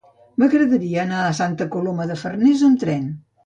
M'agradaria anar a Santa Coloma de Farners amb tren.